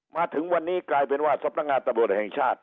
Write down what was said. มาถึงวันนี้กลายเป็นว่าสำนักงานตำรวจแห่งชาติ